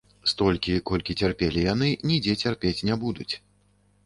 Столькі, колькі цярпелі яны, нідзе цярпець не будуць.